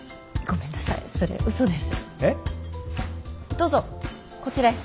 どうぞこちらへ。